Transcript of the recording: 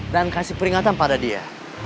dan kasih peringatan pada dia